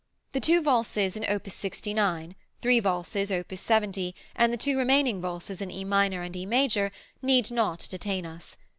The two valses in op. 69, three valses, op. 70, and the two remaining valses in E minor and E major, need not detain us.